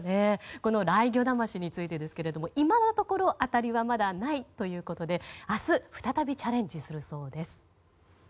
このライギョダマシについてですが今のところ当たりはまだないということで明日、再びチャレンジするそうです。